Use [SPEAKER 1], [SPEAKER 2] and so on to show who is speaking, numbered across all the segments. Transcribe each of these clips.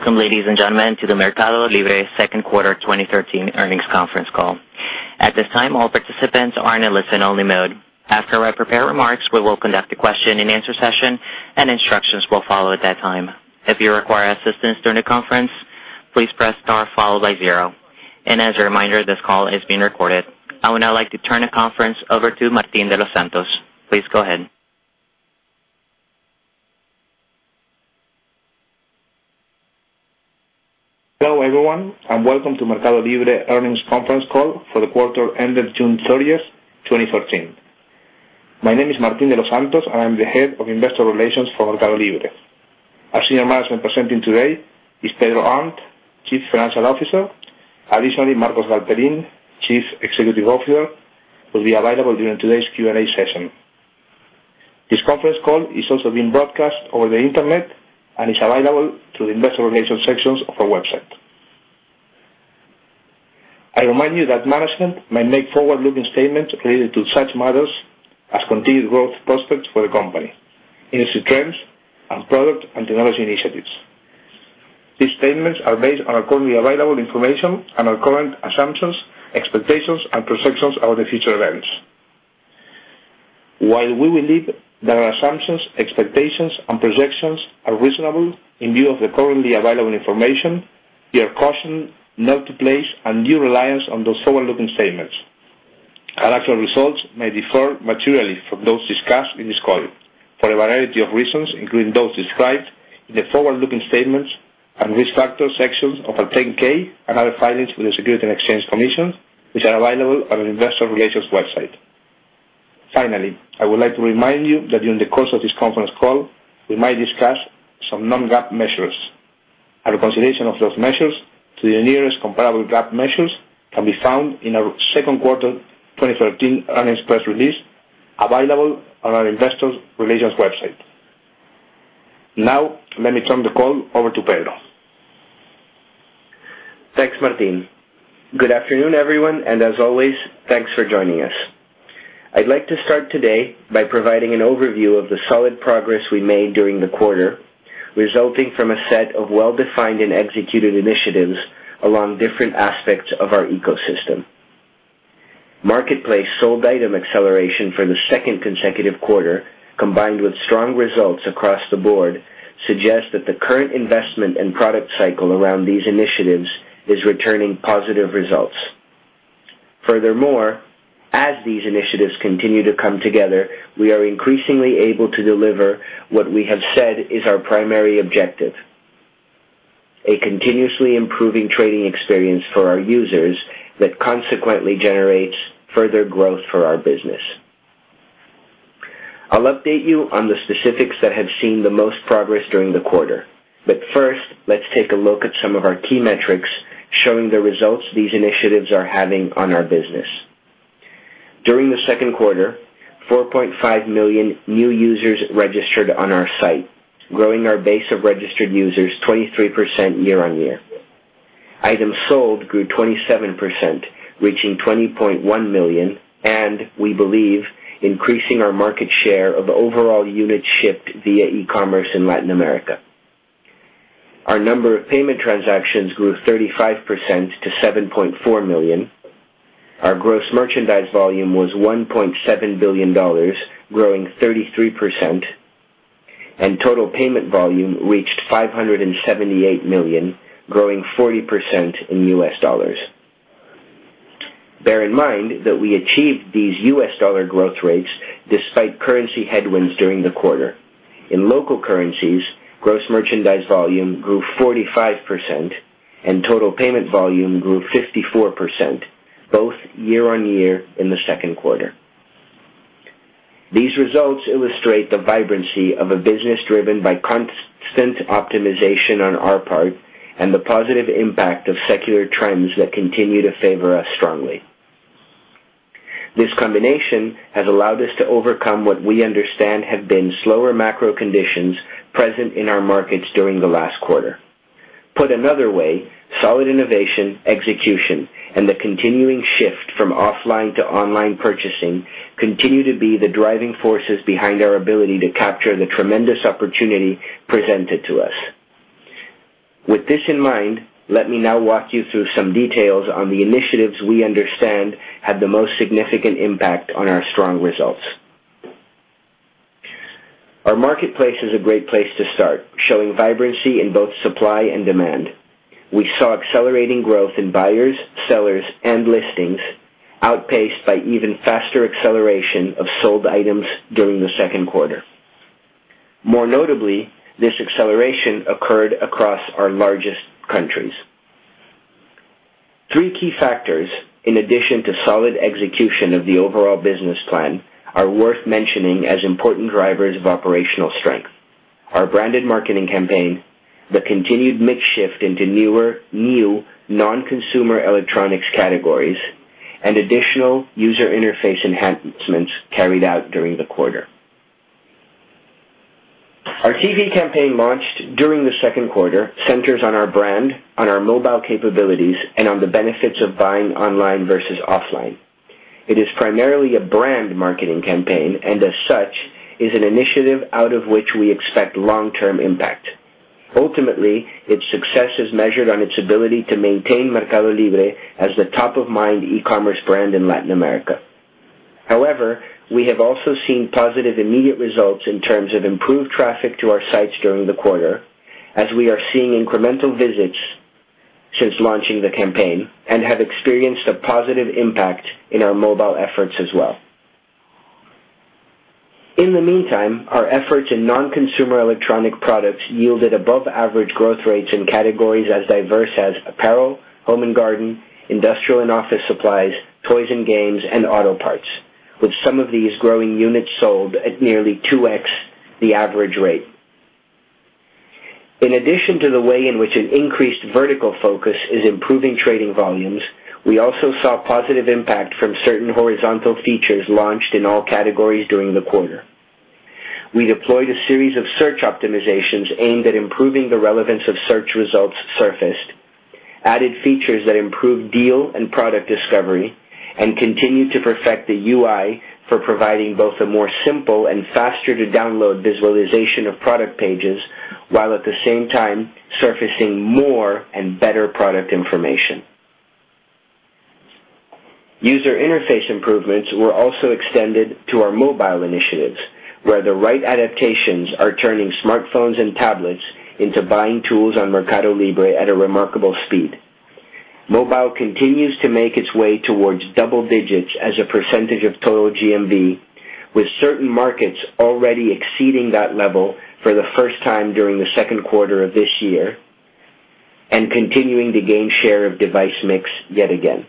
[SPEAKER 1] Welcome, ladies and gentlemen, to the MercadoLibre second quarter 2013 earnings conference call. At this time, all participants are in a listen-only mode. After I prepare remarks, we will conduct a question-and-answer session, and instructions will follow at that time. If you require assistance during the conference, please press star followed by zero. As a reminder, this call is being recorded. I would now like to turn the conference over to Martín de los Santos. Please go ahead.
[SPEAKER 2] Hello, everyone. Welcome to MercadoLibre earnings conference call for the quarter ended June 30th, 2013. My name is Martín de los Santos, and I'm the head of investor relations for MercadoLibre. Our senior management presenting today is Pedro Arnt, Chief Financial Officer. Additionally, Marcos Galperin, Chief Executive Officer, will be available during today's Q&A session. This conference call is also being broadcast over the Internet and is available through the investor relations sections of our website. I remind you that management may make forward-looking statements related to such matters as continued growth prospects for the company, industry trends, and product and technology initiatives. These statements are based on our currently available information and our current assumptions, expectations, and projections about the future events. While we believe that our assumptions, expectations, and projections are reasonable in view of the currently available information, we are cautioned not to place undue reliance on those forward-looking statements. Our actual results may differ materially from those discussed in this call for a variety of reasons, including those described in the forward-looking statements and risk factors sections of our 10-K and other filings with the Securities and Exchange Commission, which are available on our investor relations website. Finally, I would like to remind you that during the course of this conference call, we might discuss some non-GAAP measures. A reconciliation of those measures to the nearest comparable GAAP measures can be found in our second quarter 2013 earnings press release available on our investor relations website. Let me turn the call over to Pedro.
[SPEAKER 3] Thanks, Martín. Good afternoon, everyone. As always, thanks for joining us. I'd like to start today by providing an overview of the solid progress we made during the quarter, resulting from a set of well-defined and executed initiatives along different aspects of our ecosystem. Marketplace sold item acceleration for the second consecutive quarter, combined with strong results across the board, suggest that the current investment and product cycle around these initiatives is returning positive results. As these initiatives continue to come together, we are increasingly able to deliver what we have said is our primary objective, a continuously improving trading experience for our users that consequently generates further growth for our business. I'll update you on the specifics that have seen the most progress during the quarter. First, let's take a look at some of our key metrics showing the results these initiatives are having on our business. During the second quarter, 4.5 million new users registered on our site, growing our base of registered users 23% year-over-year. Items sold grew 27%, reaching 21 million, and we believe, increasing our market share of overall units shipped via e-commerce in Latin America. Our number of payment transactions grew 35% to 7.4 million. Our gross merchandise volume was $1.7 billion, growing 33%, and total payment volume reached $578 million, growing 40% in US dollars. Bear in mind that we achieved these US dollar growth rates despite currency headwinds during the quarter. In local currencies, gross merchandise volume grew 45%, and total payment volume grew 54%, both year-over-year in the second quarter. These results illustrate the vibrancy of a business driven by constant optimization on our part and the positive impact of secular trends that continue to favor us strongly. This combination has allowed us to overcome what we understand have been slower macro conditions present in our markets during the last quarter. Put another way, solid innovation, execution, and the continuing shift from offline to online purchasing continue to be the driving forces behind our ability to capture the tremendous opportunity presented to us. With this in mind, let me now walk you through some details on the initiatives we understand had the most significant impact on our strong results. Our marketplace is a great place to start, showing vibrancy in both supply and demand. We saw accelerating growth in buyers, sellers, and listings outpaced by even faster acceleration of sold items during the second quarter. More notably, this acceleration occurred across our largest countries. Three key factors, in addition to solid execution of the overall business plan, are worth mentioning as important drivers of operational strength. Our branded marketing campaign, the continued mix shift into new, non-consumer electronics categories, and additional user interface enhancements carried out during the quarter. Our TV campaign launched during the second quarter centers on our brand, on our mobile capabilities, and on the benefits of buying online versus offline. It is primarily a brand marketing campaign, and as such, is an initiative out of which we expect long-term impact. Ultimately, its success is measured on its ability to maintain MercadoLibre as the top-of-mind e-commerce brand in Latin America. However, we have also seen positive immediate results in terms of improved traffic to our sites during the quarter, as we are seeing incremental visits since launching the campaign and have experienced a positive impact in our mobile efforts as well. In the meantime, our efforts in non-consumer electronic products yielded above-average growth rates in categories as diverse as apparel, home and garden, industrial and office supplies, toys and games, and auto parts, with some of these growing units sold at nearly 2x the average rate. In addition to the way in which an increased vertical focus is improving trading volumes, we also saw positive impact from certain horizontal features launched in all categories during the quarter. We deployed a series of search optimizations aimed at improving the relevance of search results surfaced, added features that improved deal and product discovery, and continued to perfect the UI for providing both a simpler and faster-to-download visualization of product pages, while at the same time surfacing more and better product information. User interface improvements were also extended to our mobile initiatives, where the right adaptations are turning smartphones and tablets into buying tools on MercadoLibre at a remarkable speed. Mobile continues to make its way towards double digits as a percentage of total GMV, with certain markets already exceeding that level for the first time during the second quarter of this year, and continuing to gain share of device mix yet again.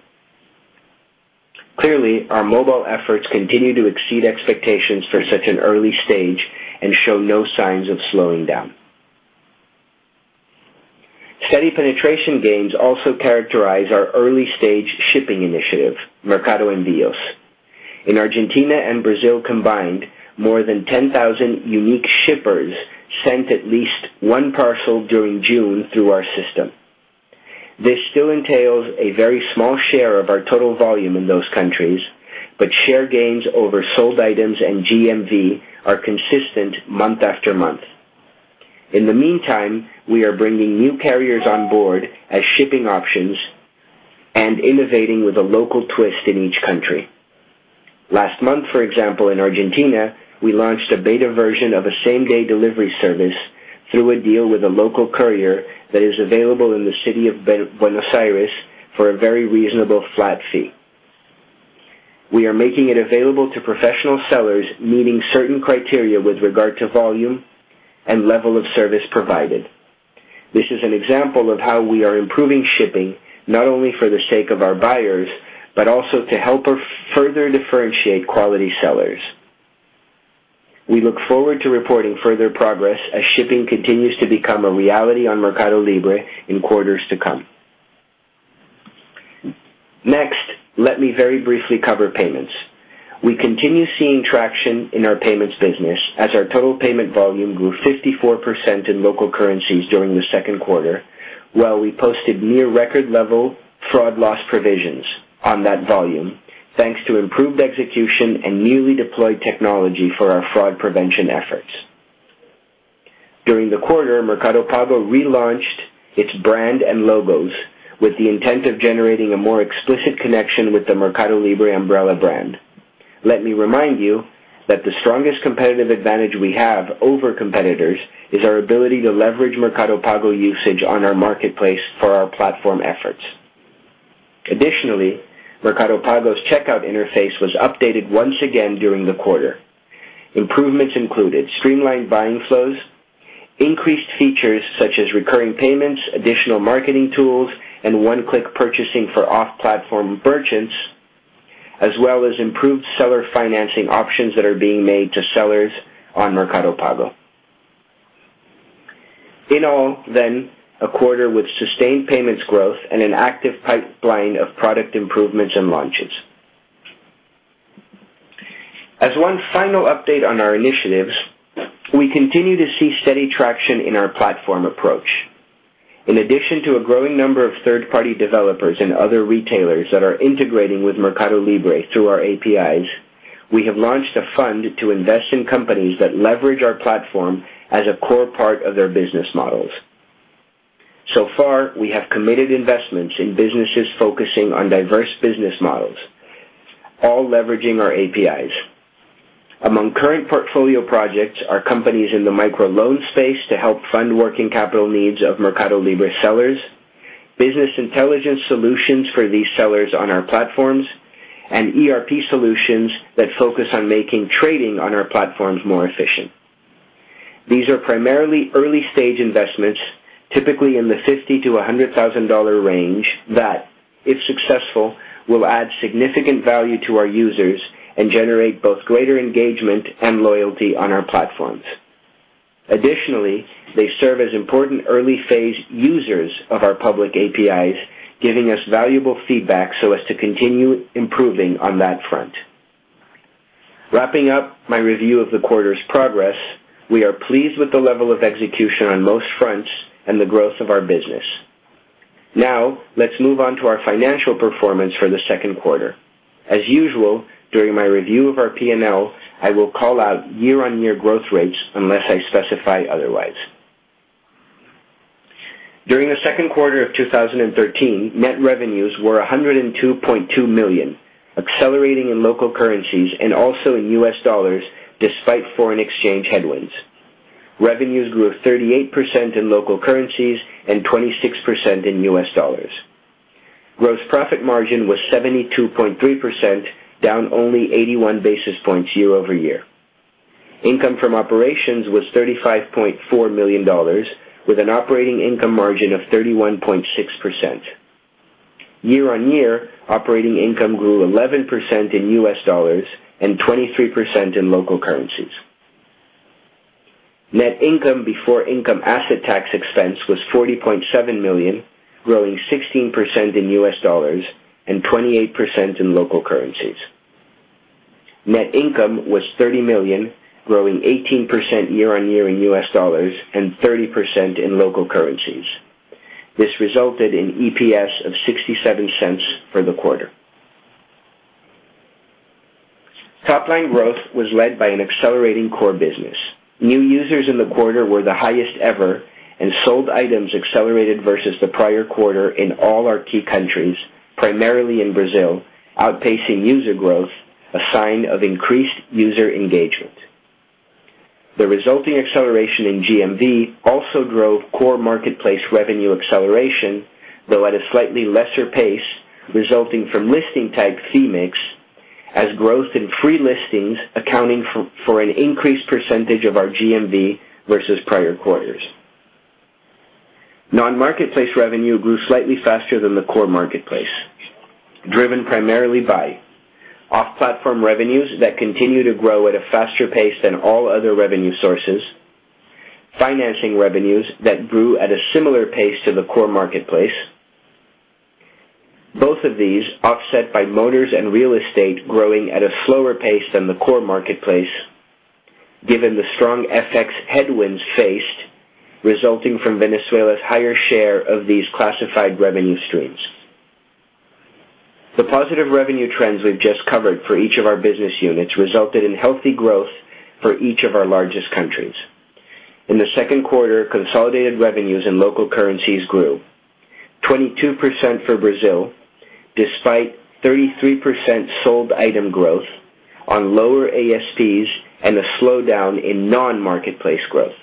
[SPEAKER 3] Clearly, our mobile efforts continue to exceed expectations for such an early stage and show no signs of slowing down. Steady penetration gains also characterize our early-stage shipping initiative, Mercado Envios. In Argentina and Brazil combined, more than 10,000 unique shippers sent at least one parcel during June through our system. This still entails a very small share of our total volume in those countries, but share gains over sold items and GMV are consistent month after month. In the meantime, we are bringing new carriers on board as shipping options and innovating with a local twist in each country. Last month, for example, in Argentina, we launched a beta version of a same-day delivery service through a deal with a local courier that is available in the city of Buenos Aires for a very reasonable flat fee. We are making it available to professional sellers meeting certain criteria with regard to volume and level of service provided. This is an example of how we are improving shipping, not only for the sake of our buyers, but also to help further differentiate quality sellers. We look forward to reporting further progress as shipping continues to become a reality on MercadoLibre in quarters to come. Let me very briefly cover payments. We continue seeing traction in our payments business as our total payment volume grew 54% in local currencies during the second quarter, while we posted near record-level fraud loss provisions on that volume, thanks to improved execution and newly deployed technology for our fraud prevention efforts. During the quarter, Mercado Pago relaunched its brand and logos with the intent of generating a more explicit connection with the MercadoLibre umbrella brand. Let me remind you that the strongest competitive advantage we have over competitors is our ability to leverage Mercado Pago usage on our marketplace for our platform efforts. Additionally, Mercado Pago's checkout interface was updated once again during the quarter. Improvements included streamlined buying flows, increased features such as recurring payments, additional marketing tools, and one-click purchasing for off-platform merchants, as well as improved seller financing options that are being made to sellers on Mercado Pago. In all, a quarter with sustained payments growth and an active pipeline of product improvements and launches. As one final update on our initiatives, we continue to see steady traction in our platform approach. In addition to a growing number of third-party developers and other retailers that are integrating with MercadoLibre through our APIs, we have launched a fund to invest in companies that leverage our platform as a core part of their business models. So far, we have committed investments in businesses focusing on diverse business models, all leveraging our APIs. Among current portfolio projects are companies in the microloan space to help fund working capital needs of MercadoLibre sellers, business intelligence solutions for these sellers on our platforms, and ERP solutions that focus on making trading on our platforms more efficient. These are primarily early-stage investments, typically in the $50,000 to $100,000 range that, if successful, will add significant value to our users and generate both greater engagement and loyalty on our platforms. They serve as important early-phase users of our public APIs, giving us valuable feedback so as to continue improving on that front. Wrapping up my review of the quarter's progress, we are pleased with the level of execution on most fronts and the growth of our business. Let's move on to our financial performance for the second quarter. As usual, during my review of our P&L, I will call out year-on-year growth rates unless I specify otherwise. During the second quarter of 2013, net revenues were $102.2 million, accelerating in local currencies and also in US dollars, despite foreign exchange headwinds. Revenues grew 38% in local currencies and 26% in US dollars. Gross profit margin was 72.3%, down only 81 basis points year-over-year. Income from operations was $35.4 million, with an operating income margin of 31.6%. Year-on-year, operating income grew 11% in US dollars and 23% in local currencies. Net income before income and asset tax expense was $40.7 million, growing 16% in US dollars and 28% in local currencies. Net income was $30 million, growing 18% year-on-year in US dollars and 30% in local currencies. This resulted in EPS of $0.67 for the quarter. Top-line growth was led by an accelerating core business. New users in the quarter were the highest ever, and sold items accelerated versus the prior quarter in all our key countries, primarily in Brazil, outpacing user growth, a sign of increased user engagement. The resulting acceleration in GMV also drove core marketplace revenue acceleration, though at a slightly lesser pace, resulting from listing type fee mix, as growth in free listings accounting for an increased percentage of our GMV versus prior quarters. Non-marketplace revenue grew slightly faster than the core marketplace, driven primarily by off-platform revenues that continue to grow at a faster pace than all other revenue sources, financing revenues that grew at a similar pace to the core marketplace. Both of these offset by motors and real estate growing at a slower pace than the core marketplace, given the strong FX headwinds faced resulting from Venezuela's higher share of these classified revenue streams. The positive revenue trends we've just covered for each of our business units resulted in healthy growth for each of our largest countries. In the second quarter, consolidated revenues in local currencies grew 22% for Brazil, despite 33% sold item growth on lower ASPs and a slowdown in non-marketplace growth.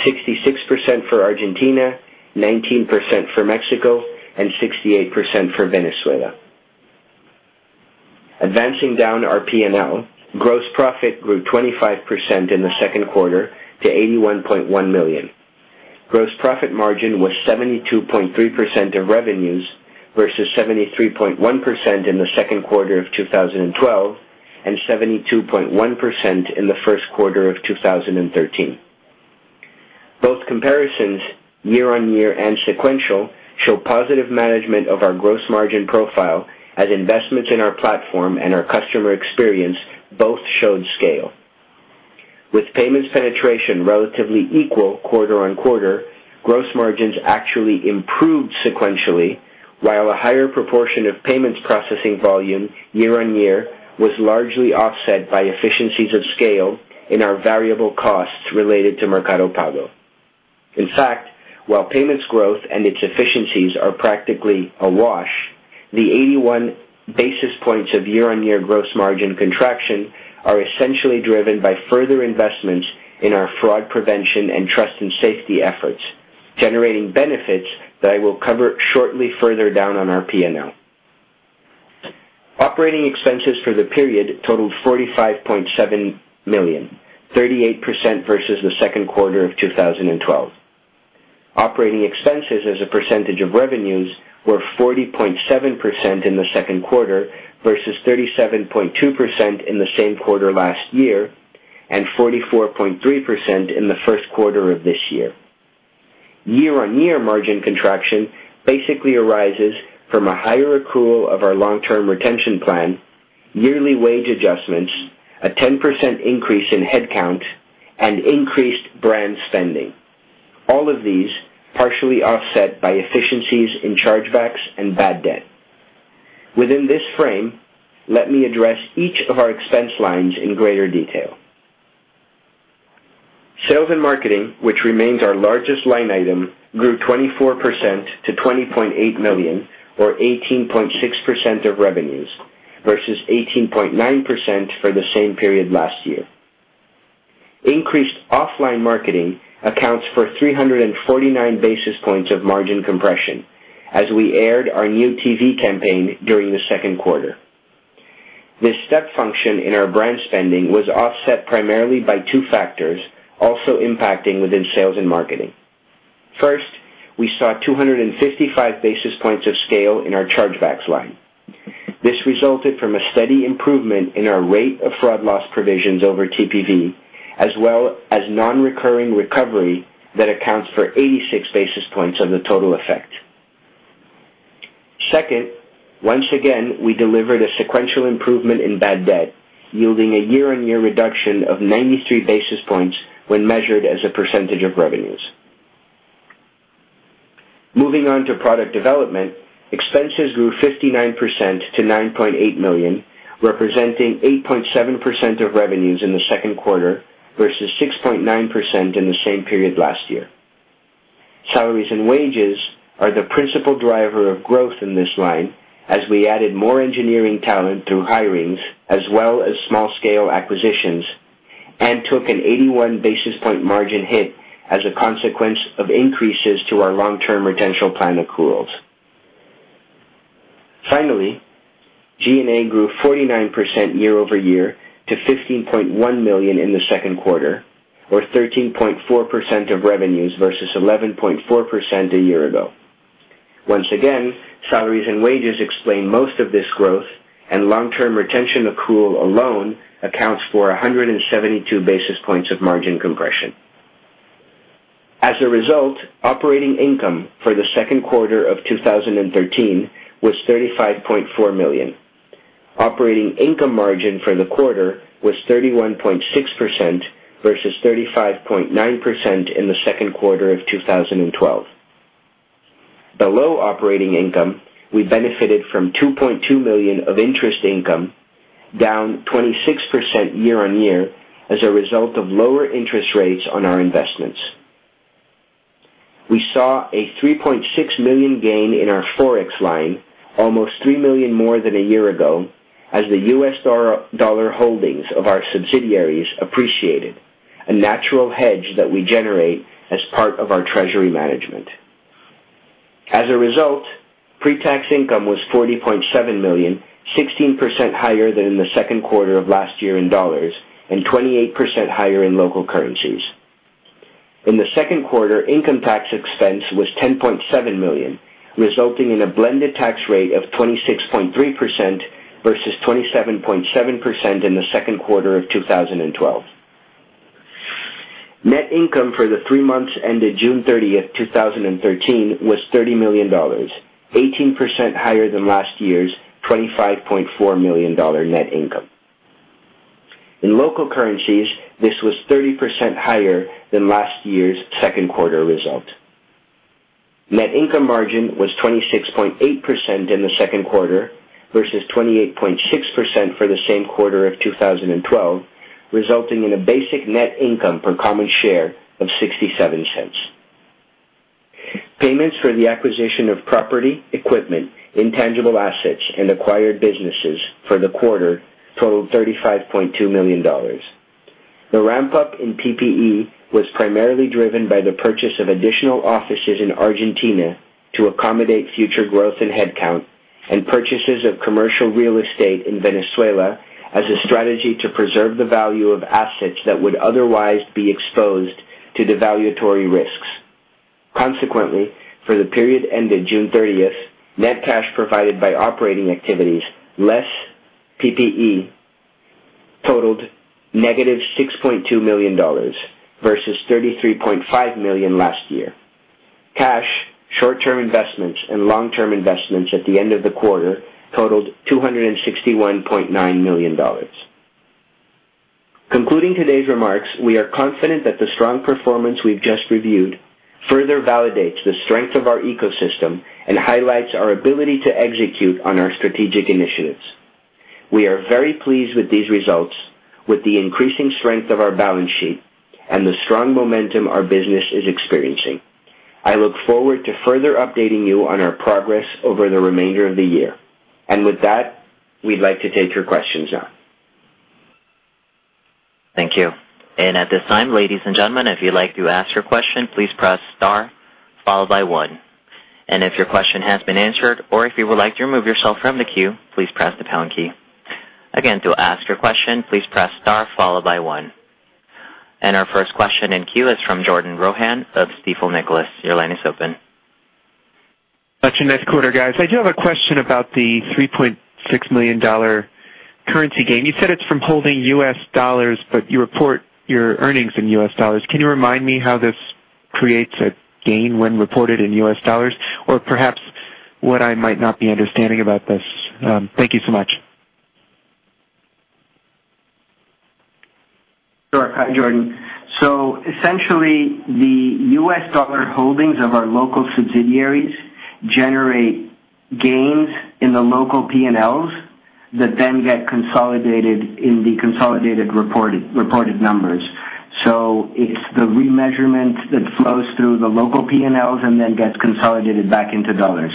[SPEAKER 3] 66% for Argentina, 19% for Mexico, and 68% for Venezuela. Advancing down our P&L, gross profit grew 25% in the second quarter to $81.1 million. Gross profit margin was 72.3% of revenues versus 73.1% in the second quarter of 2012 and 72.1% in the first quarter of 2013. Both comparisons, year-on-year and sequential, show positive management of our gross margin profile, as investments in our platform and our customer experience both showed scale. With payments penetration relatively equal quarter-on-quarter, gross margins actually improved sequentially, while a higher proportion of payments processing volume year-on-year was largely offset by efficiencies of scale in our variable costs related to Mercado Pago. In fact, while payments growth and its efficiencies are practically a wash, the 81 basis points of year-on-year gross margin contraction are essentially driven by further investments in our fraud prevention and trust and safety efforts, generating benefits that I will cover shortly further down on our P&L. Operating expenses for the period totaled $45.7 million, 38% versus the second quarter of 2012. Operating expenses as a percentage of revenues were 40.7% in the second quarter versus 37.2% in the same quarter last year and 44.3% in the first quarter of this year. Year-on-year margin contraction basically arises from a higher accrual of our long-term retention plan, yearly wage adjustments, a 10% increase in headcount, and increased brand spending. All of these partially offset by efficiencies in chargebacks and bad debt. Within this frame, let me address each of our expense lines in greater detail. Sales and marketing, which remains our largest line item, grew 24% to $20.8 million or 18.6% of revenues, versus 18.9% for the same period last year. Increased offline marketing accounts for 349 basis points of margin compression as we aired our new TV campaign during the second quarter. This step function in our brand spending was offset primarily by two factors, also impacting within sales and marketing. First, we saw 255 basis points of scale in our chargebacks line. This resulted from a steady improvement in our rate of fraud loss provisions over TPV, as well as non-recurring recovery that accounts for 86 basis points of the total effect. Second, once again, we delivered a sequential improvement in bad debt, yielding a year-on-year reduction of 93 basis points when measured as a percentage of revenues. Moving on to product development, expenses grew 59% to $9.8 million, representing 8.7% of revenues in the second quarter versus 6.9% in the same period last year. Salaries and wages are the principal driver of growth in this line, as we added more engineering talent through hirings as well as small-scale acquisitions, and took an 81 basis point margin hit as a consequence of increases to our long-term retention plan accruals. Finally, G&A grew 49% year-over-year to $15.1 million in the second quarter, or 13.4% of revenues versus 11.4% a year ago. Once again, salaries and wages explain most of this growth, and long-term retention accrual alone accounts for 172 basis points of margin compression. As a result, operating income for the second quarter of 2013 was $35.4 million. Operating income margin for the quarter was 31.6% versus 35.9% in the second quarter of 2012. Below operating income, we benefited from $2.2 million of interest income, down 26% year-on-year as a result of lower interest rates on our investments. We saw a $3.6 million gain in our FX line, almost $3 million more than a year ago, as the U.S. dollar holdings of our subsidiaries appreciated, a natural hedge that we generate as part of our treasury management. As a result, pre-tax income was $40.7 million, 16% higher than in the second quarter of last year in dollars, and 28% higher in local currencies. In the second quarter, income tax expense was $10.7 million, resulting in a blended tax rate of 26.3% versus 27.7% in the second quarter of 2012. Net income for the three months ended June 30th, 2013, was $30 million, 18% higher than last year's $25.4 million net income. In local currencies, this was 30% higher than last year's second quarter result. Net income margin was 26.8% in the second quarter versus 28.6% for the same quarter of 2012, resulting in a basic net income per common share of $0.67. Payments for the acquisition of property, equipment, intangible assets, and acquired businesses for the quarter totaled $35.2 million. The ramp-up in PPE was primarily driven by the purchase of additional offices in Argentina to accommodate future growth in headcount and purchases of commercial real estate in Venezuela as a strategy to preserve the value of assets that would otherwise be exposed to the valuatory risks. Consequently, for the period ended June 30th, net cash provided by operating activities, less PPE, totaled negative $6.2 million versus $33.5 million last year. Cash, short-term investments, and long-term investments at the end of the quarter totaled $261.9 million. Concluding today's remarks, we are confident that the strong performance we've just reviewed further validates the strength of our ecosystem and highlights our ability to execute on our strategic initiatives. We are very pleased with these results, with the increasing strength of our balance sheet, and the strong momentum our business is experiencing. I look forward to further updating you on our progress over the remainder of the year. With that, we'd like to take your questions now.
[SPEAKER 1] Thank you. At this time, ladies and gentlemen, if you'd like to ask your question, please press star followed by one. If your question has been answered or if you would like to remove yourself from the queue, please press the pound key. Again, to ask your question, please press star followed by one. Our first question in queue is from Jordan Rohan of Stifel Nicolaus. Your line is open.
[SPEAKER 4] Much a nice quarter, guys. I do have a question about the $3.6 million currency gain. You said it's from holding US dollars, but you report your earnings in US dollars. Can you remind me how this creates a gain when reported in US dollars? Perhaps what I might not be understanding about this? Thank you so much.
[SPEAKER 3] Sure. Hi, Jordan. Essentially, the US dollar holdings of our local subsidiaries generate gains in the local P&Ls that then get consolidated in the consolidated reported numbers. It's the remeasurement that flows through the local P&Ls and then gets consolidated back into dollars.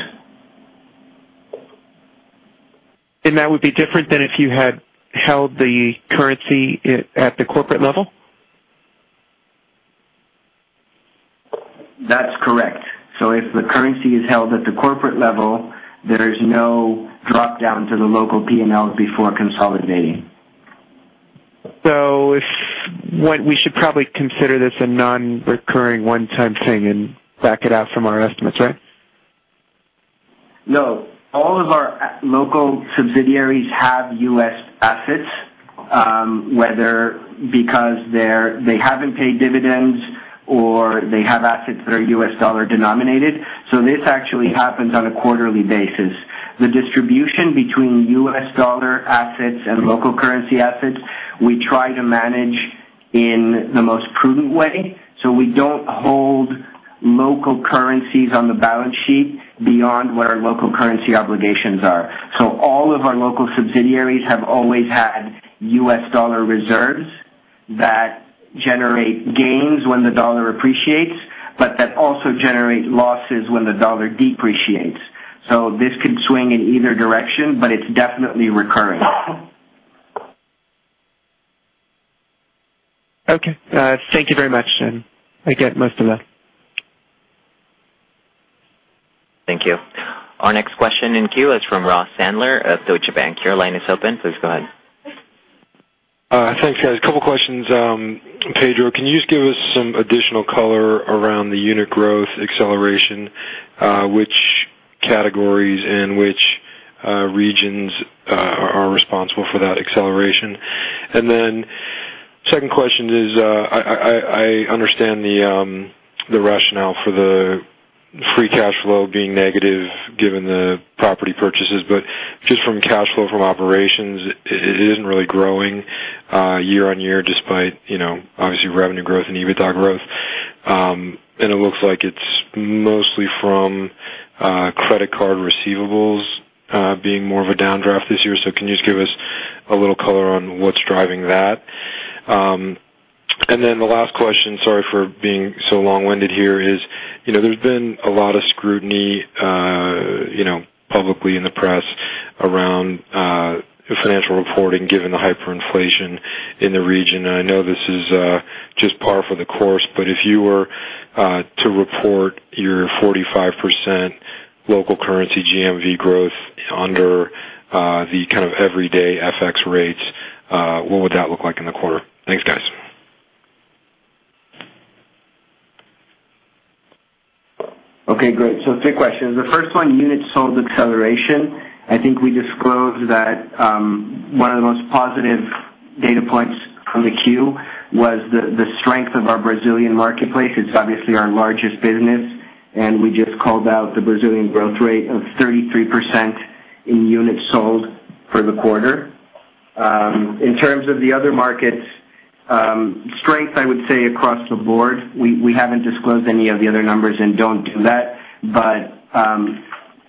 [SPEAKER 4] That would be different than if you had held the currency at the corporate level?
[SPEAKER 3] That's correct. If the currency is held at the corporate level, there is no drop-down to the local P&L before consolidating.
[SPEAKER 4] We should probably consider this a non-recurring one-time thing and back it out from our estimates, right?
[SPEAKER 3] No Local subsidiaries have U.S. assets, whether because they haven't paid dividends or they have assets that are U.S. dollar denominated. This actually happens on a quarterly basis. The distribution between U.S. dollar assets and local currency assets, we try to manage in the most prudent way. We don't hold local currencies on the balance sheet beyond what our local currency obligations are. All of our local subsidiaries have always had U.S. dollar reserves that generate gains when the dollar appreciates, but that also generate losses when the dollar depreciates. This could swing in either direction, but it's definitely recurring.
[SPEAKER 4] Okay. Thank you very much. I get most of that.
[SPEAKER 1] Thank you. Our next question in queue is from Ross Sandler of Deutsche Bank. Your line is open. Please go ahead.
[SPEAKER 5] Thanks, guys. Couple questions. Pedro, can you just give us some additional color around the unit growth acceleration, which categories and which regions are responsible for that acceleration? Second question is, I understand the rationale for the free cash flow being negative given the property purchases, but just from cash flow from operations, it isn't really growing year-on-year despite obviously revenue growth and EBITDA growth. It looks like it's mostly from credit card receivables being more of a downdraft this year. Can you just give us a little color on what's driving that? The last question, sorry for being so long-winded here, is there's been a lot of scrutiny publicly in the press around financial reporting given the hyperinflation in the region, and I know this is just par for the course, but if you were to report your 45% local currency GMV growth under the kind of everyday FX rates, what would that look like in the quarter? Thanks, guys.
[SPEAKER 3] Okay, great. Three questions. The first one, units sold acceleration. I think we disclosed that one of the most positive data points from the Q was the strength of our Brazilian marketplace. It's obviously our largest business, and we just called out the Brazilian growth rate of 33% in units sold for the quarter. In terms of the other markets, strength, I would say across the board. We haven't disclosed any of the other numbers and don't do that.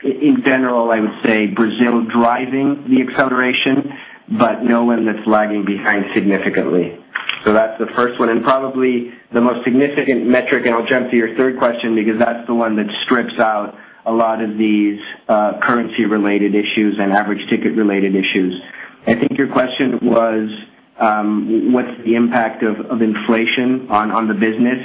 [SPEAKER 3] In general, I would say Brazil driving the acceleration, but no one that's lagging behind significantly. That's the first one and probably the most significant metric, I'll jump to your third question because that's the one that strips out a lot of these currency-related issues and average ticket-related issues. I think your question was, what's the impact of inflation on the business?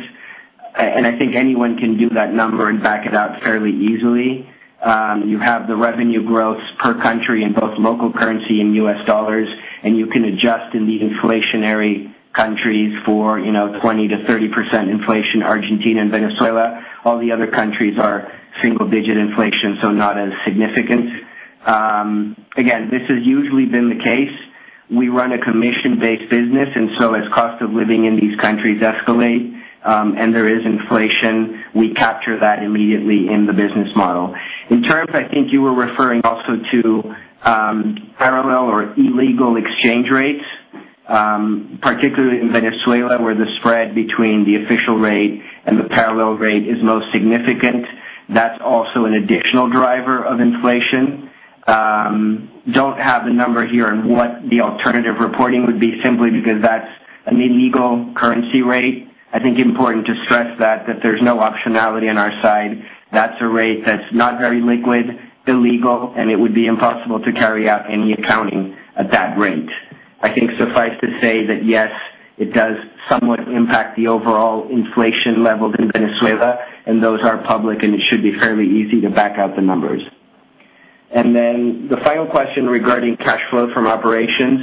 [SPEAKER 3] I think anyone can do that number and back it out fairly easily. You have the revenue growth per country in both local currency and US dollars, you can adjust in the inflationary countries for 20%-30% inflation, Argentina and Venezuela. All the other countries are single-digit inflation, not as significant. Again, this has usually been the case. We run a commission-based business, as cost of living in these countries escalate, there is inflation, we capture that immediately in the business model. In terms, I think you were referring also to parallel or illegal exchange rates, particularly in Venezuela, where the spread between the official rate and the parallel rate is most significant. That's also an additional driver of inflation. Don't have the number here on what the alternative reporting would be, simply because that's an illegal currency rate. I think important to stress that there's no optionality on our side. That's a rate that's not very liquid, illegal, and it would be impossible to carry out any accounting at that rate. I think suffice to say that yes, it does somewhat impact the overall inflation levels in Venezuela, and those are public, and it should be fairly easy to back out the numbers. The final question regarding cash flow from operations.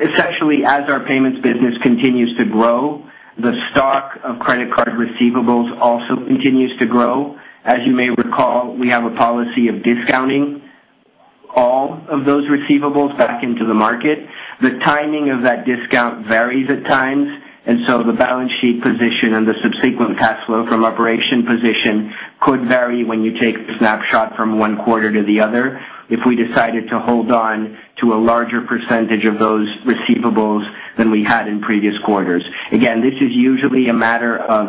[SPEAKER 3] Essentially, as our payments business continues to grow, the stock of credit card receivables also continues to grow. As you may recall, we have a policy of discounting all of those receivables back into the market. The timing of that discount varies at times, the balance sheet position and the subsequent cash flow from operations position could vary when you take a snapshot from one quarter to the other if we decided to hold on to a larger percentage of those receivables than we had in previous quarters. Again, this is usually a matter of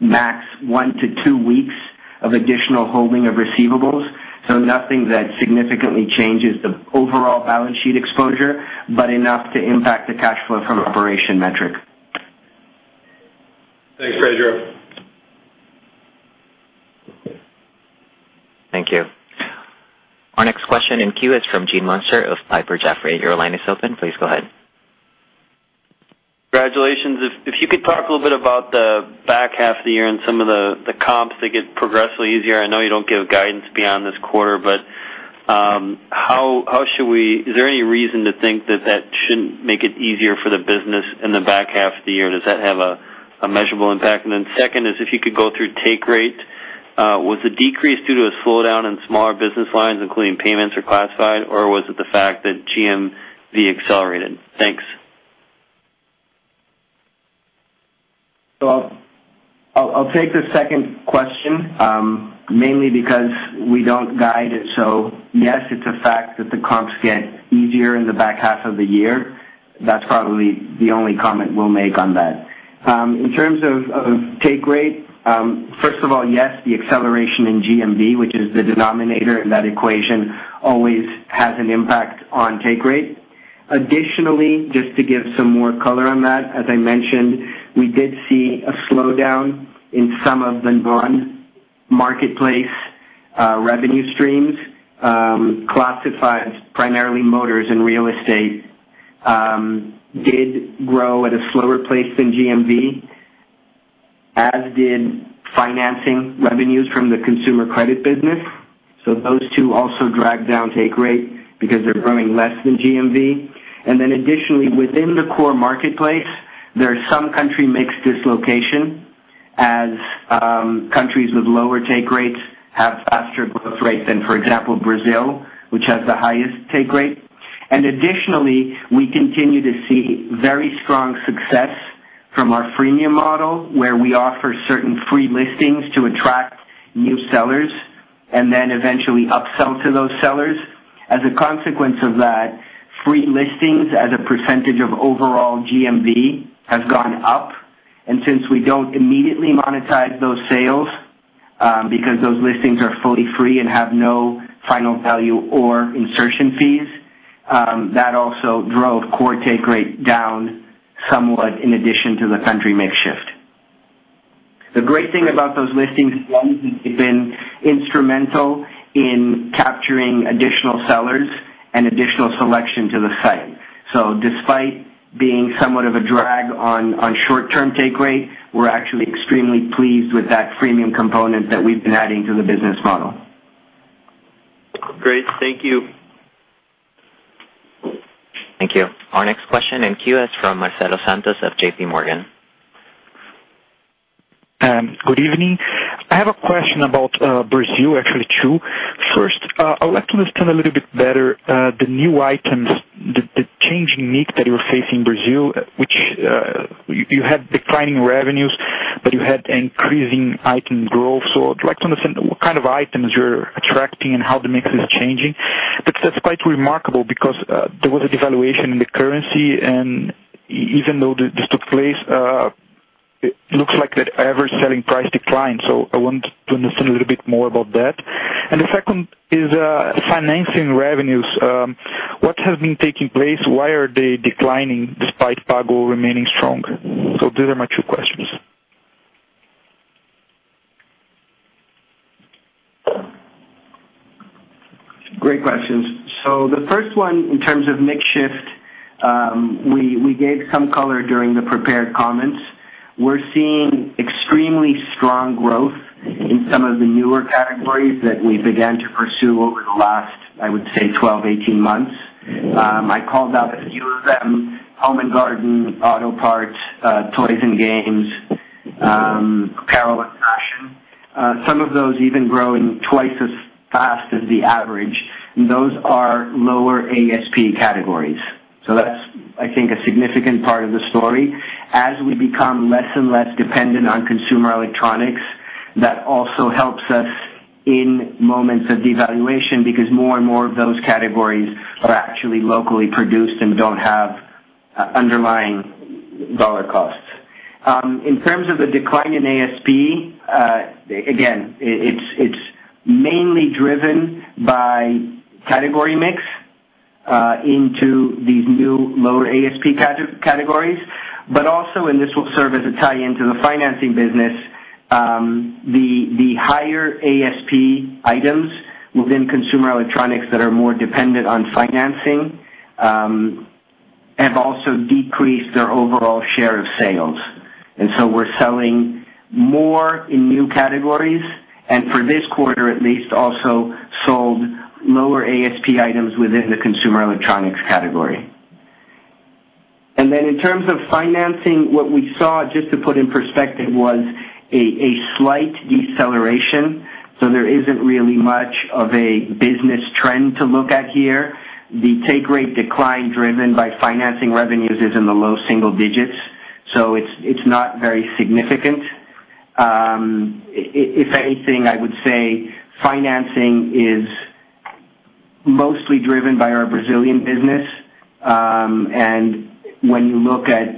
[SPEAKER 3] max one to two weeks of additional holding of receivables. Nothing that significantly changes the overall balance sheet exposure, but enough to impact the cash flow from operations metric.
[SPEAKER 5] Thanks, Pedro.
[SPEAKER 1] Thank you. Our next question in queue is from Gene Munster of Piper Jaffray. Your line is open. Please go ahead.
[SPEAKER 6] Congratulations. If you could talk a little bit about the back half of the year and some of the comps that get progressively easier. I know you don't give guidance beyond this quarter. Is there any reason to think that that shouldn't make it easier for the business in the back half of the year? Does that have a measurable impact? Second is, if you could go through take rate, was the decrease due to a slowdown in smaller business lines, including payments or classified, or was it the fact that GMV accelerated? Thanks.
[SPEAKER 3] I'll take the second question, mainly because we don't guide. Yes, it's a fact that the comps get easier in the back half of the year. That's probably the only comment we'll make on that. In terms of take rate, first of all, yes, the acceleration in GMV, which is the denominator in that equation, always has an impact on take rate. Additionally, just to give some more color on that, as I mentioned, we did see a slowdown in some of the non-marketplace revenue streams. Classified, primarily motors and real estate, did grow at a slower place than GMV, as did financing revenues from the consumer credit business. Those two also drag down take rate because they're growing less than GMV. Additionally, within the core marketplace, there are some country mix dislocation as countries with lower take rates have faster growth rates than, for example, Brazil, which has the highest take rate. Additionally, we continue to see very strong success from our freemium model, where we offer certain free listings to attract new sellers and then eventually upsell to those sellers. As a consequence of that, free listings as a percentage of overall GMV have gone up. Since we don't immediately monetize those sales, because those listings are fully free and have no final value or insertion fees, that also drove core take rate down somewhat in addition to the country mix shift. The great thing about those listings, one, they've been instrumental in capturing additional sellers and additional selection to the site. Despite being somewhat of a drag on short-term take rate, we're actually extremely pleased with that freemium component that we've been adding to the business model.
[SPEAKER 6] Great. Thank you.
[SPEAKER 1] Thank you. Our next question in queue is from Marcelo Santos of JP Morgan.
[SPEAKER 7] Good evening. I have a question about Brazil, actually two. First, I would like to understand a little bit better the new items, the changing mix that you're facing in Brazil, which you had declining revenues, but you had increasing item growth. I'd like to understand what kind of items you're attracting and how the mix is changing. That's quite remarkable, because there was a devaluation in the currency, and even though this took place, it looks like that average selling price declined. I want to understand a little bit more about that. The second is financing revenues. What has been taking place? Why are they declining despite Pago remaining strong? Those are my two questions.
[SPEAKER 3] Great questions. The first one, in terms of mix shift, we gave some color during the prepared comments. We're seeing extremely strong growth in some of the newer categories that we began to pursue over the last, I would say, 12, 18 months. I called out a few of them, home and garden, auto parts, toys and games, apparel and fashion. Some of those even growing twice as fast as the average, and those are lower ASP categories. That's, I think, a significant part of the story. As we become less and less dependent on consumer electronics, that also helps us in moments of devaluation, because more and more of those categories are actually locally produced and don't have underlying dollar costs. In terms of the decline in ASP, again, it's mainly driven by category mix into these new lower ASP categories. This will serve as a tie-in to the financing business, the higher ASP items within consumer electronics that are more dependent on financing have also decreased their overall share of sales. We're selling more in new categories, and for this quarter at least, also sold lower ASP items within the consumer electronics category. In terms of financing, what we saw, just to put in perspective, was a slight deceleration. There isn't really much of a business trend to look at here. The take rate decline driven by financing revenues is in the low single digits, it's not very significant. If anything, I would say financing is mostly driven by our Brazilian business. When you look at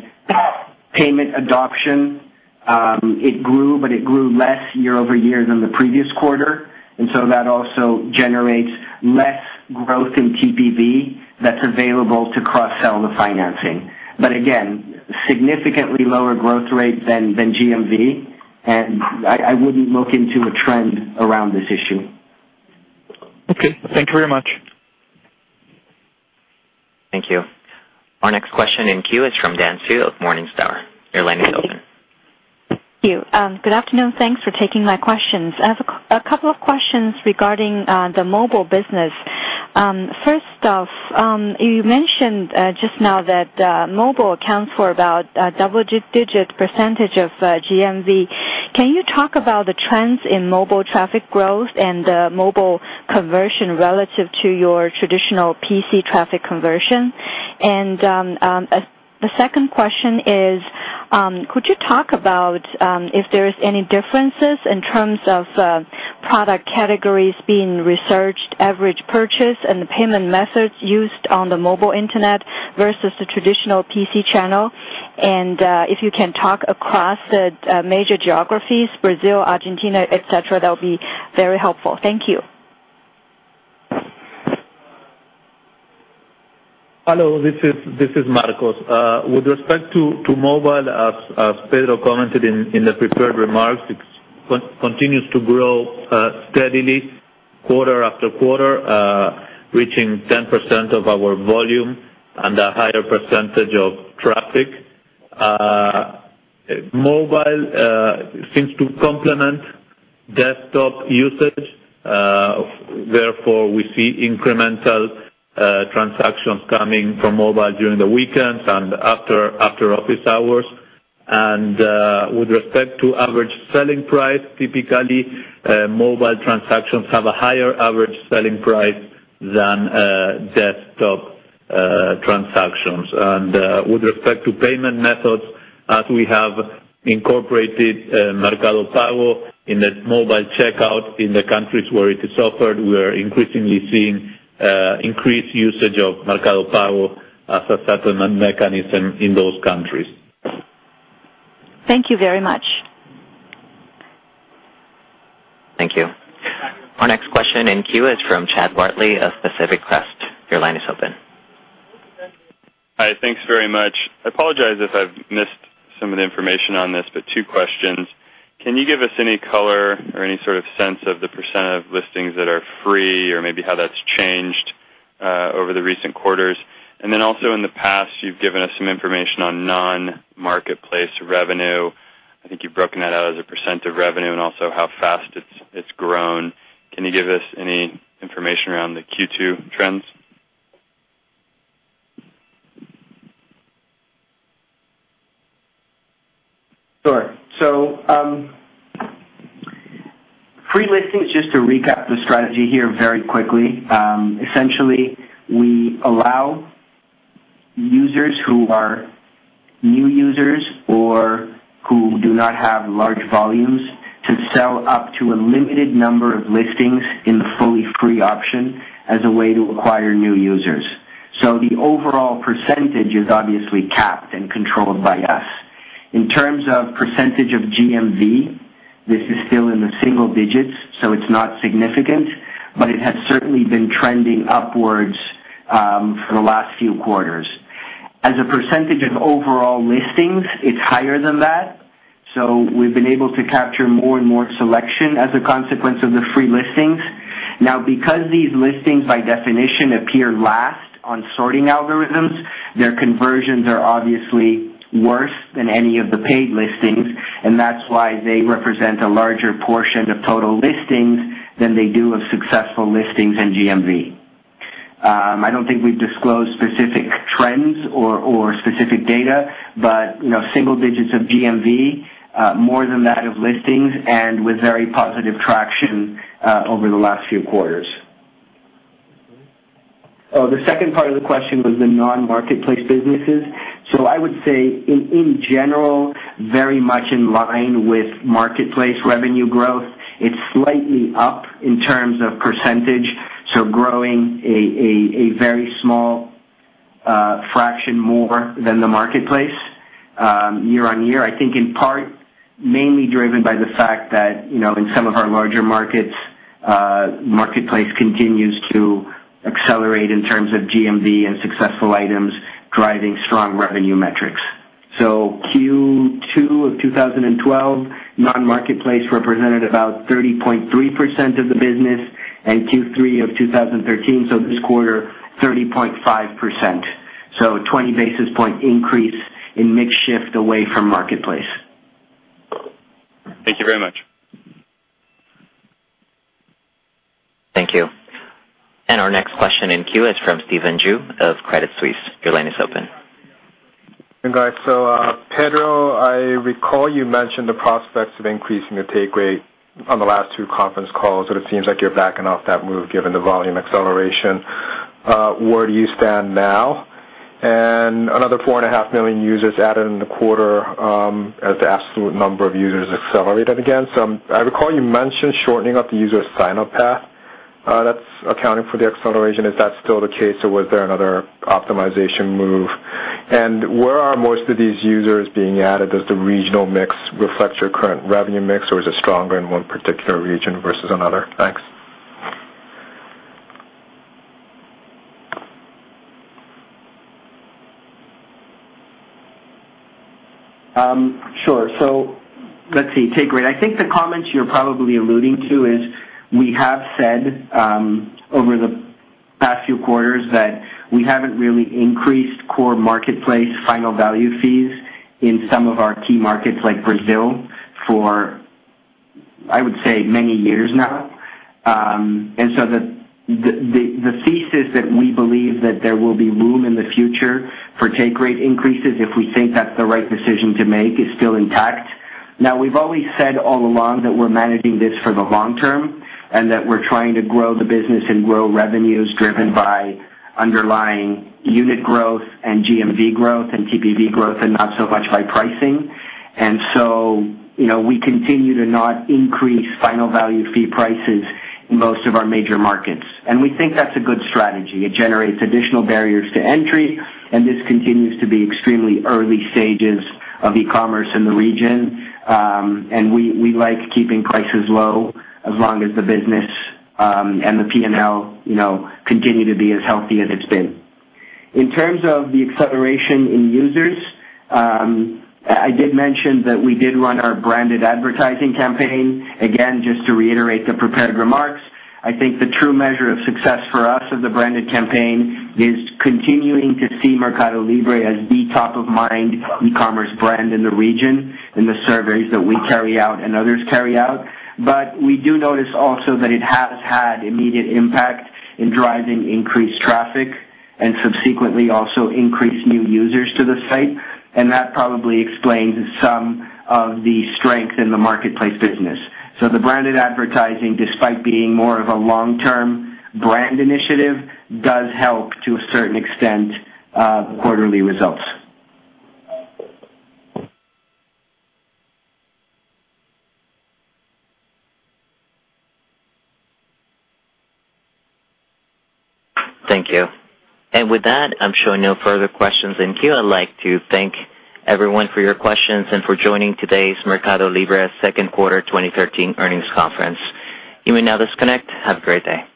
[SPEAKER 3] payment adoption, it grew, but it grew less year-over-year than the previous quarter. That also generates less growth in TPV that's available to cross-sell the financing. Again, significantly lower growth rate than GMV. I wouldn't look into a trend around this issue.
[SPEAKER 7] Thank you very much.
[SPEAKER 1] Thank you. Our next question in queue is from Dan Sue of Morningstar. Your line is open.
[SPEAKER 8] Thank you. Good afternoon. Thanks for taking my questions. I have a couple of questions regarding the mobile business. First off, you mentioned just now that mobile accounts for about a double-digit percentage of GMV. Can you talk about the trends in mobile traffic growth and mobile conversion relative to your traditional PC traffic conversion? The second question is, could you talk about if there is any differences in terms of product categories being researched, average purchase, and the payment methods used on the mobile internet versus the traditional PC channel? If you can talk across the major geographies, Brazil, Argentina, et cetera, that would be very helpful. Thank you.
[SPEAKER 9] Hello, this is Marcos. With respect to mobile, as Pedro commented in the prepared remarks, it continues to grow steadily quarter after quarter, reaching 10% of our volume and a higher percentage of traffic. Mobile seems to complement desktop usage. Therefore, we see incremental transactions coming from mobile during the weekends and after office hours. With respect to average selling price, typically, mobile transactions have a higher average selling price than desktop transactions. With respect to payment methods, as we have incorporated Mercado Pago in the mobile checkout in the countries where it is offered, we are increasingly seeing increased usage of Mercado Pago as a settlement mechanism in those countries.
[SPEAKER 8] Thank you very much.
[SPEAKER 1] Thank you. Our next question in queue is from Chad Bartley of Pacific Crest. Your line is open.
[SPEAKER 10] Hi. Thanks very much. I apologize if I've missed some of the information on this. Two questions. Can you give us any color or any sort of sense of the % of listings that are free, or maybe how that's changed over the recent quarters? Also in the past, you've given us some information on non-marketplace revenue. I think you've broken that out as a % of revenue and also how fast it's grown. Can you give us any information around the Q2 trends?
[SPEAKER 3] Sure. Free listings, just to recap the strategy here very quickly. Essentially, we allow users who are new users or who do not have large volumes to sell up to a limited number of listings in the fully free option as a way to acquire new users. The overall % is obviously capped and controlled by us. In terms of % of GMV, this is still in the single digits. It's not significant, but it has certainly been trending upwards for the last few quarters. As a % of overall listings, it's higher than that. We've been able to capture more and more selection as a consequence of the free listings. Now, because these listings by definition appear last on sorting algorithms, their conversions are obviously worse than any of the paid listings. That's why they represent a larger portion of total listings than they do of successful listings and GMV. I don't think we've disclosed specific trends or specific data. Single digits of GMV, more than that of listings, and with very positive traction over the last few quarters. Oh, the second part of the question was the non-marketplace businesses. I would say in general, very much in line with marketplace revenue growth. It's slightly up in terms of %, growing a very small fraction more than the marketplace year-over-year. I think in part mainly driven by the fact that in some of our larger markets, marketplace continues to accelerate in terms of GMV and successful items driving strong revenue metrics. Q2 of 2012, non-marketplace represented about 30.3% of the business, and Q3 of 2013, so this quarter, 30.5%. A 20 basis point increase in mix shift away from marketplace.
[SPEAKER 10] Thank you very much.
[SPEAKER 1] Thank you. Our next question in queue is from Stephen Ju of Credit Suisse. Your line is open.
[SPEAKER 11] Pedro, I recall you mentioned the prospects of increasing the take rate on the last two conference calls, but it seems like you're backing off that move given the volume acceleration. Where do you stand now? Another four and a half million users added in the quarter, as the absolute number of users accelerated again. I recall you mentioned shortening up the user sign-up path. That's accounting for the acceleration. Is that still the case, or was there another optimization move? Where are most of these users being added? Does the regional mix reflect your current revenue mix, or is it stronger in one particular region versus another? Thanks.
[SPEAKER 3] Sure. Let's see, take rate. I think the comments you're probably alluding to is we have said, over the past few quarters that we haven't really increased core marketplace final value fees in some of our key markets like Brazil, for, I would say, many years now. The thesis that we believe that there will be room in the future for take rate increases if we think that's the right decision to make, is still intact. Now, we've always said all along that we're managing this for the long term, and that we're trying to grow the business and grow revenues driven by underlying unit growth and GMV growth and TPV growth, and not so much by pricing. We continue to not increase final value fee prices in most of our major markets, and we think that's a good strategy. It generates additional barriers to entry, this continues to be extremely early stages of e-commerce in the region. We like keeping prices low as long as the business, and the P&L continue to be as healthy as it's been. In terms of the acceleration in users, I did mention that we did run our branded advertising campaign. Again, just to reiterate the prepared remarks, I think the true measure of success for us of the branded campaign is continuing to see MercadoLibre as the top-of-mind e-commerce brand in the region, in the surveys that we carry out and others carry out. We do notice also that it has had immediate impact in driving increased traffic and subsequently also increased new users to the site, and that probably explains some of the strength in the marketplace business. The branded advertising, despite being more of a long-term brand initiative, does help to a certain extent, the quarterly results.
[SPEAKER 1] Thank you. With that, I'm showing no further questions in queue. I'd like to thank everyone for your questions and for joining today's MercadoLibre second quarter 2013 earnings conference. You may now disconnect. Have a great day.